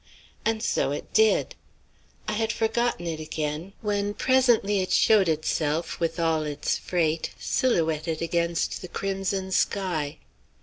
And so it did. I had forgotten it again, when presently it showed itself with all its freight, silhouetted against the crimson sky.